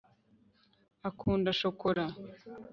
akunda shokora